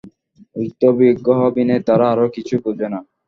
যুদ্ধ-বিগ্রহ বিনে তারা আর কিছুই বোঝে না।